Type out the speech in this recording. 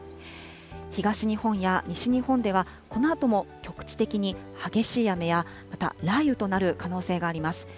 東日本や西日本では、このあとも局地的に激しい雨や、また雷雨となる可能性があります。